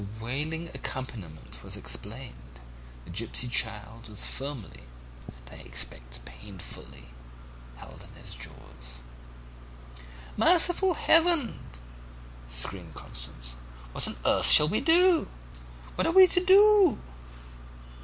"The wailing accompaniment was explained. The gipsy child was firmly, and I expect painfully, held in his jaws. "'Merciful Heaven!' screamed Constance, 'what on earth shall we do? What are we to do?'